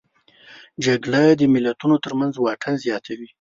جګړه د ملتونو ترمنځ واټن زیاتوي